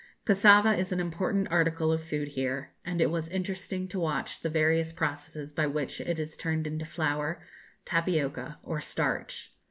Cassava is an important article of food here, and it was interesting to watch the various processes by which it is turned into flour, tapioca, or starch.